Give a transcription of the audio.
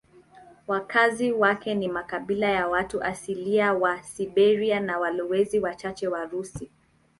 Wakazi wake ni makabila ya watu asilia wa Siberia na walowezi wachache Warusi.